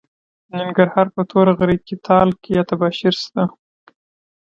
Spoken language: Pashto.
د ننګرهار په تور غره کې تالک یا تباشیر شته.